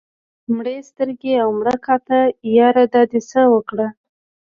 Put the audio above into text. مړې سترګې او مړه کاته ياره دا دې څه اوکړه